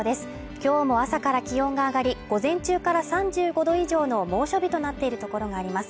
今日も朝から気温が上がり、午前中から３５度以上の猛暑日となっているところがあります。